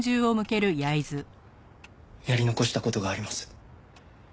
やり残した事があります。